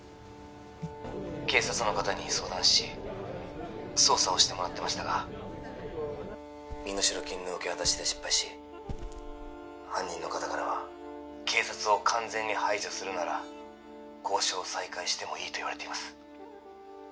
警察の方に相談し捜査をしてもらってましたが身代金の受け渡しで失敗し犯人の方からは警察を完全に排除するなら交渉を再開してもいいと言われています